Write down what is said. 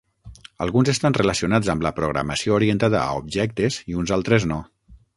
Alguns estan relacionats amb la programació orientada a objectes i uns altres no.